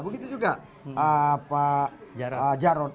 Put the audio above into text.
begitu juga pak jarot